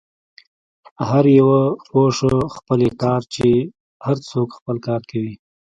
هر یو پوه شه، خپل يې کار، چې هر څوک خپل کار کوي.